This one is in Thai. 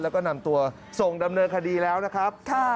แล้วก็นำตัวส่งดำเนินคดีแล้วนะครับ